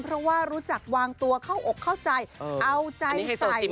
เพราะว่ารู้จักวางตัวเข้าอกเข้าใจเอาใจใส่